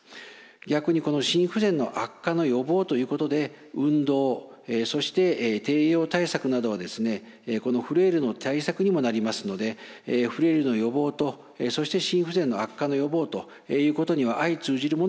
逆に心不全の悪化の予防ということで運動そして低栄養対策などはこのフレイルの対策にもなりますのでフレイルの予防とそして心不全の悪化の予防ということには相通じるものがあるといえます。